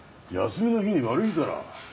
休みの日に悪いから。